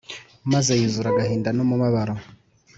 maze yuzura agahinda n’umubabaro